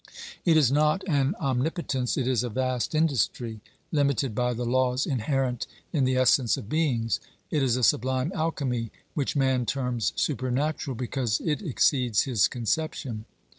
It is not an omnipotence, it is a vast industry, limited by the laws inherent in the essence of beings ; it is a sublime alchemy, which man terms super natural because it exceeds his conception.